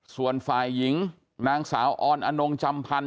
ส่วนฝ่ายหญิงนางสาวออนอนงจำพันธ